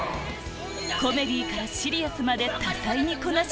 コメディーからシリアスまで多才にこなし